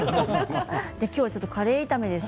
きょうはカレー炒めです。